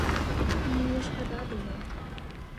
Мне яе шкада было.